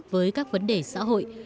với các vấn đề xã hội